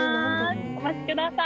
お待ちください。